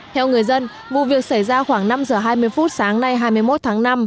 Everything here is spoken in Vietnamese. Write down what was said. theo người dân vụ việc xảy ra khoảng năm giờ hai mươi phút sáng nay hai mươi một tháng năm